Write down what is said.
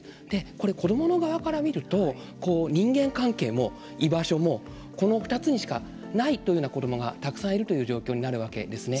これ子どもの側から見ると人間関係も居場所もこの２つにしかないというような子どもがたくさんいるという状況になるわけですね。